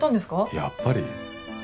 「やっぱり」？